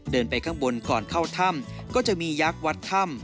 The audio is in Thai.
เดินไปข้างบนก่อนเข้าถ้ำก็จะมียักษ์วัดถ้ำ